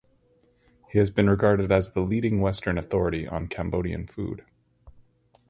He has been regarded as the leading Western authority on Cambodian food.